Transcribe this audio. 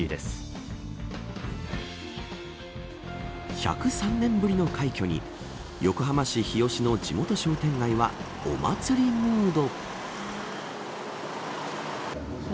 １０３年ぶりの快挙に横浜市日吉の地元商店街はお祭りムード。